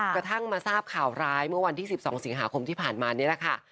กระทั่งมาทราบข่าวร้ายเมื่อวันที่๑๒สิงหาคมที่ผ่านมานี่แหละค่ะ